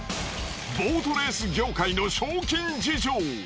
ボートレース業界の賞金事情。